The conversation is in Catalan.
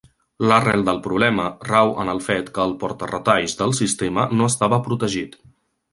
L'arrel del problema rau en el fet que el porta-retalls del sistema no estava protegit.